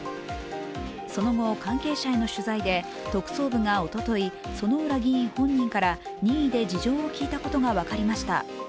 その後、関係者への取材で特捜部がおととい、薗浦議員本人から任意で事情を聴いたことが分かりました。